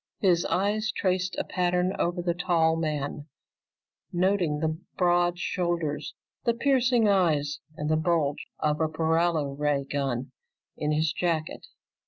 His eyes traced a pattern over the tall man, noting the broad shoulders, the piercing eyes, and the bulge of a paralo ray gun in his jacket.